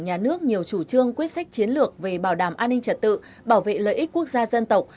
nhà nước nhiều chủ trương quyết sách chiến lược về bảo đảm an ninh trật tự bảo vệ lợi ích quốc gia dân tộc